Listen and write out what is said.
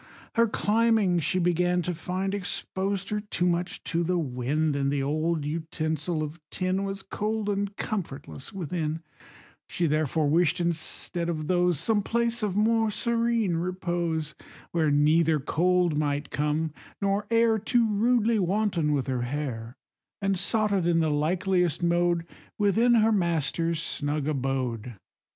Her climbing, she began to find, Exposed her too much to the wind, And the old utensil of tin Was cold and comfortless within: She therefore wish'd instead of those Some place of more serene repose, Where neither cold might come, nor air Too rudely wanton with her hair, And sought it in the likeliest mode Within her master's snug abode.